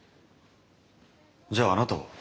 じゃああなたは？